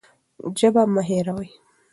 ژبه مه هېروئ.